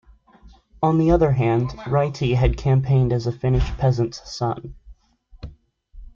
On the other hand, Ryti had campaigned as a Finnish peasant's son.